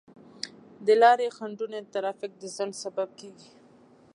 د لارې خنډونه د ترافیک د ځنډ سبب کیږي.